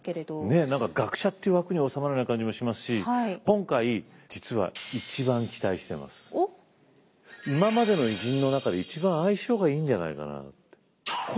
ねっ何か学者っていう枠に収まらない感じもしますし今回実は今までの偉人の中で一番相性がいいんじゃないかな。